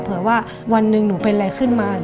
เผื่อว่าวันหนึ่งหนูเป็นอะไรขึ้นมา